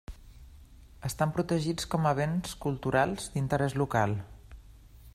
Estan protegits com a béns culturals d'interès local.